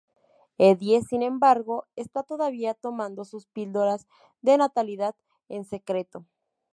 Edie, sin embargo, está todavía tomando sus píldoras de natalidad en secreto.